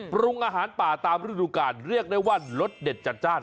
ปรุงอาหารป่าตามฤดูการเรียกได้ว่ารสเด็ดจัดจ้าน